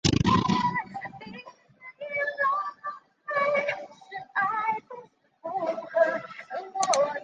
此站往新设洞方向的月台与君子车辆基地设有通道连结。